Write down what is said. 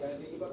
terima kasih pak